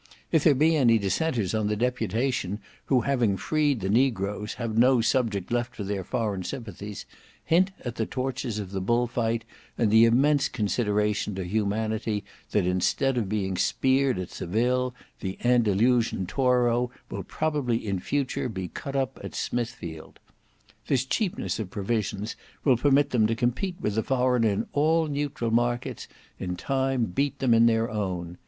If there be any dissenters on the deputation who having freed the negroes have no subject left for their foreign sympathies, hint at the tortures of the bullfight and the immense consideration to humanity that instead of being speared at Seville, the Andalusian Toro will probably in future be cut up at Smithfield. This cheapness of provisions will permit them to compete with the foreigner in all neutral markets, in time beat them in their own.